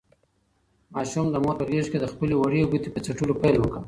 ماشوم د مور په غېږ کې د خپلې وړې ګوتې په څټلو پیل وکړ.